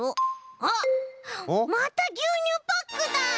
あっまたぎゅうにゅうパックだ。